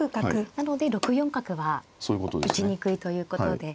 なので６四角は打ちにくいということで。